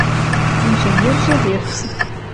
Инженержӹ верц.